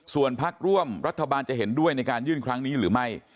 ส่วนพักร่วมรัฐบาลจะเห็นด้วยในการยื่นครั้งนี้หรือไม่